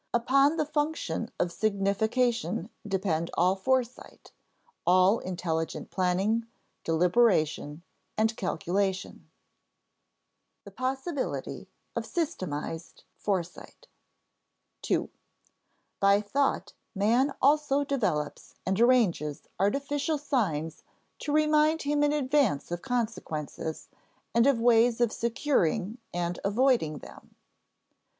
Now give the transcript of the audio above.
Upon the function of signification depend all foresight, all intelligent planning, deliberation, and calculation. [Sidenote: The possibility of systematized foresight] II. By thought man also develops and arranges artificial signs to remind him in advance of consequences, and of ways of securing and avoiding them.